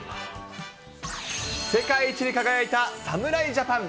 世界一に輝いた侍ジャパン。